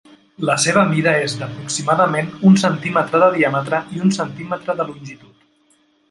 La seva mida és d'aproximadament un centímetre de diàmetre i un centímetre de longitud.